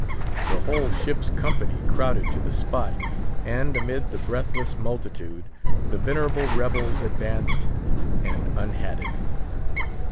The whole ship's company crowded to the spot, and, amid the breathless multitude, the venerable rebels advanced and unhatted.